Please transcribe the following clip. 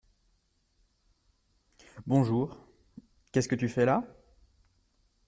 Bonjour… qu’est-ce que tu fais là ?